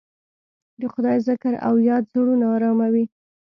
د خدای ذکر او یاد زړونه اراموي.